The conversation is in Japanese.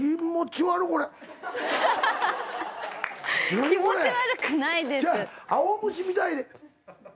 ちゃう青虫みたいで。